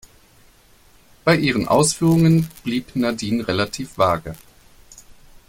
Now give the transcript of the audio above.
Bei ihren Ausführungen blieb Nadine relativ vage.